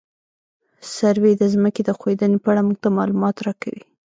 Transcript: سروې د ځمکې د ښوېدنې په اړه موږ ته معلومات راکوي